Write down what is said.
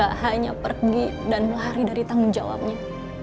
dia gak hanya pergi dan melari dari tanggung jawabnya